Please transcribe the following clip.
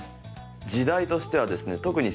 時代としてはですね特に。